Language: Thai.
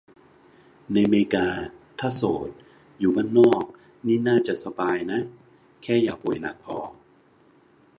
ในเมกา ถ้าโสด อยู่บ้านนอก นี่น่าจะสบายนะ แค่อย่าป่วยหนักพอ